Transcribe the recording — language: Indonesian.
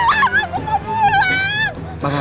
aku mau pulang